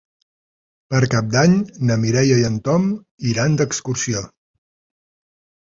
Per Cap d'Any na Mireia i en Tom iran d'excursió.